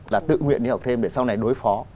là tự nguyện đi học thêm để sau này đối phó